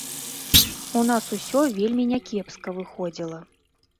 У нас усё вельмі някепска выходзіла.